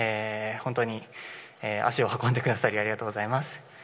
本当に足を運んでくださりありがとうございます。